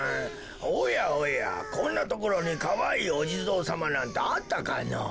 おやおやこんなところにかわいいおじぞうさまなんてあったかのぉ。